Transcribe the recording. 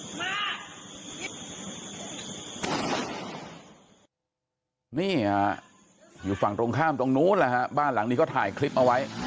นี่ฮะอยู่ฝั่งตรงข้ามตรงนู้นแหละฮะบ้านหลังนี้เขาถ่ายคลิปเอาไว้